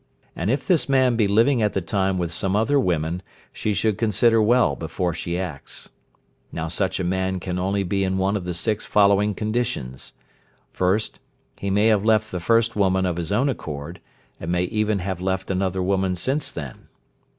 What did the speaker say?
And if this man be living at the time with some other women she should consider well before she acts. Now such a man can only be in one of the six following conditions, viz.: 1st. He may have left the first woman of his own accord, and may even have left another woman since then.